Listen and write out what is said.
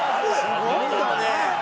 すごいよね！